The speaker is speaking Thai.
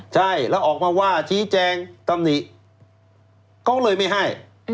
ใช่แล้วออกมาว่าชี้แจงตำหนิเขาเลยไม่ให้